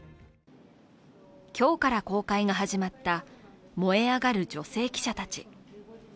今日から公開が始まった「燃えあがる女性記者たち」。